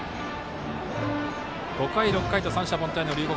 ５回、６回と三者凡退の龍谷